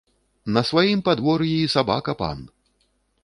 На сваім падвор'і і сабака ‒ пан